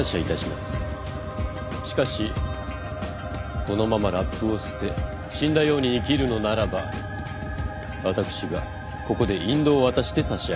しかしこのままラップを捨て死んだように生きるのならば私がここで引導を渡して差し上げましょう。